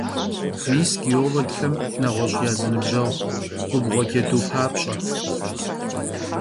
Mis gêologxem neğueş' ya zı nıbjeğui — gubğue cedu - papş'e.